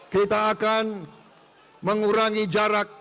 kita akan mengurangi jarak